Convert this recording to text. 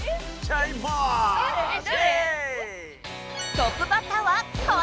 ⁉トップバッターはこの人！